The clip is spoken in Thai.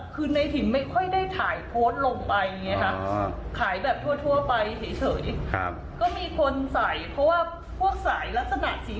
ไปเท่าเนี้ยครับก็มีคนใส่เพราะว่าพวกสายลักษณะสี